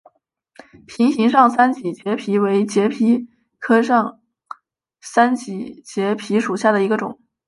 瓶形上三脊节蜱为节蜱科上三脊节蜱属下的一个种。